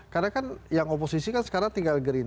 karena kan yang oposisi kan sekarang tinggal geritik